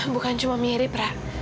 bukan cuma mirip ra